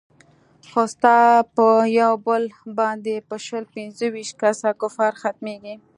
خو ستا په يو بم باندې به شل پينځه ويشت کسه کفار ختميګي.